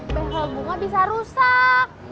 behel bunga bisa rusak